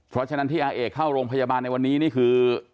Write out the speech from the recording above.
เพราะฉะนั้นที่อาเอกเข้าโรงพยาบาลในวันนี้นี่คือ